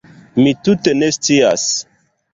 Mi tute ne scias.